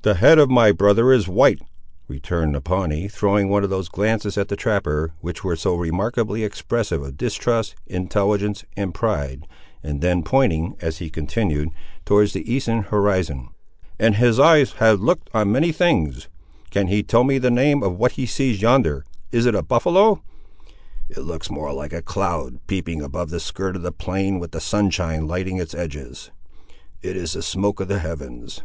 "The head of my brother is white," returned the Pawnee, throwing one of those glances at the trapper, which were so remarkably expressive of distrust, intelligence, and pride, and then pointing, as he continued, towards the eastern horizon, "and his eyes have looked on many things—can he tell me the name of what he sees yonder—is it a buffaloe?" "It looks more like a cloud, peeping above the skirt of the plain with the sunshine lighting its edges. It is the smoke of the heavens."